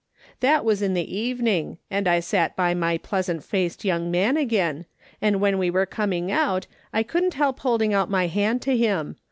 "That was in the evening, and I sat by my pleasant faced young man again, and when we were coming out I couldn't help holding out my hand to him.